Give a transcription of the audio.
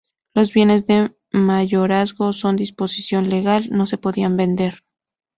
Los bienes de mayorazgos por disposición legal no se podían vender.